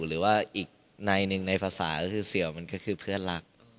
หรือว่าอีกในหนึ่งในภาษาก็คือเสี่ยวมันก็คือเพื่อนรัก